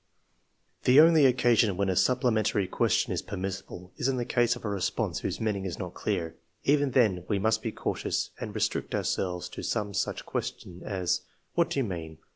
The only occasion when a supplementary question is permissible is in case of a response whose meaning is not clear. Even then we must be cautious and restrict ourselves to some such question as, " What do you mean?